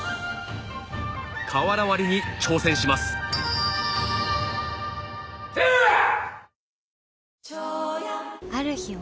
瓦割りに挑戦しますセヤァ！